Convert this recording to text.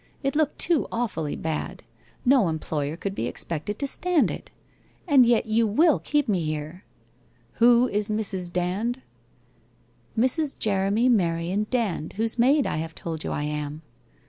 It looked too awfully bad! No employer could be expected to stand it ! And yet you will keep me here '' Who is Mrs. Dand'? '' Mrs. Jeremy Merion Dand, whose maid I have told you I am.'